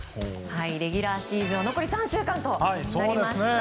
レギュラーシーズンは残り３週間となりました。